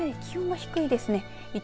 気温が低いですね。